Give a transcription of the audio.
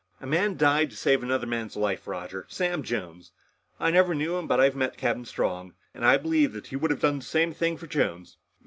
"A man died to save another man's life, Roger. Sam Jones. I never knew him. But I've met Captain Strong, and I believe that he would have done the same thing for Jones."